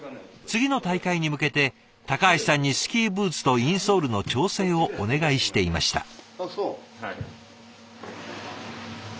次の大会に向けて橋さんにスキーブーツとインソールの調整をお願いしていました。